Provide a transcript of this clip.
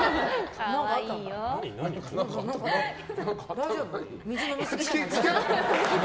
大丈夫？